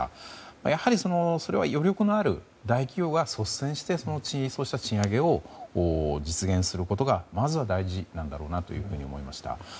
やはりそれは余力のある大企業が率先して、そうした賃上げを実現することがまずは大事なんだろうなと思いました。